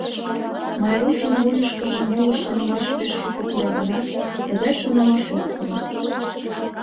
Майрушын вуйышкыжо моло шонымаш пеш шуко пура гынат, тыгай шонымаш ок пуро...